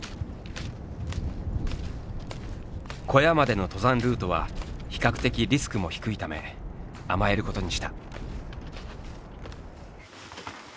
小屋までの登山ルートは比較的リスクも低いため甘えることにした。